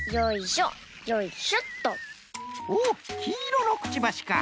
おおきいろのくちばしか。